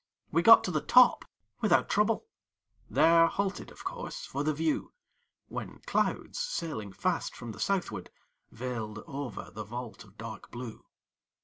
We got to the top without trouble; There halted, of course, for the view; When clouds, sailing fast from the southward, Veiled over the vault of dark blue.